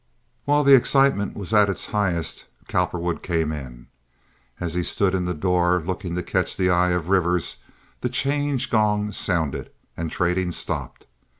While the excitement was at its highest Cowperwood came in. As he stood in the door looking to catch the eye of Rivers, the 'change gong sounded, and trading stopped.